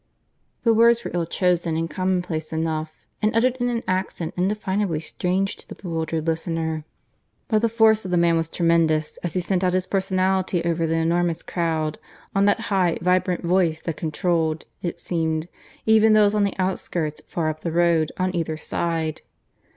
The words were ill chosen and commonplace enough, and uttered in an accent indefinably strange to the bewildered listener, but the force of the man was tremendous, as he sent out his personality over the enormous crowd, on that high vibrant voice that controlled, it seemed, even those on the outskirts far up the roads on either side.